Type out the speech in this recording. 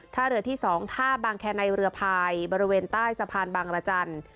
ท่าเรือที่๒ท่าบางแคในเรือพายบริเวณใต้สะพานบางรจันทร์